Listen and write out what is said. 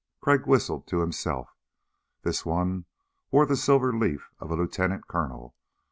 Crag whistled to himself. This one wore the silver leaf of a lieutenant colonel!